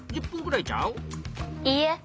いいえ。